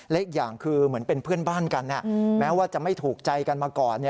และอีกอย่างคือเหมือนเป็นเพื่อนบ้านกันแม้ว่าจะไม่ถูกใจกันมาก่อน